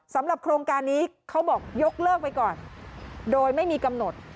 สำหรับโครงการนี้เขาบอกยกเลิกไปก่อนโดยไม่มีกำหนด